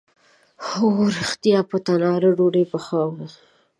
هو ریښتیا، په تناره ډوډۍ پخومه